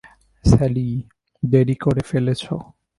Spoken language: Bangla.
স্যালি, দেরি করে ফেলেছো।